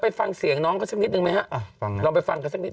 ไปฟังเสียงน้องเขาสักนิดนึงไหมฮะลองไปฟังกันสักนิด